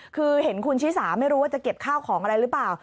คือเห็นคุณชิสาไม่รู้ว่าจะเก็บข้าวของอะไรหรือเปล่า